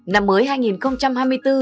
năm mới hai nghìn hai mươi bốn